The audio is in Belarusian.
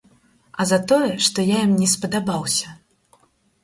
А за тое, што я ім не спадабаўся.